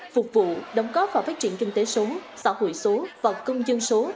phục vụ đóng góp vào phát triển kinh tế số xã hội số và công dân số